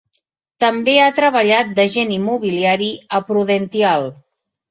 També ha treballat d'agent immobiliari a Prudential.